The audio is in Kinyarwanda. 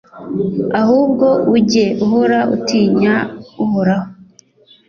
ahubwo ujye uhora utinya uhoraho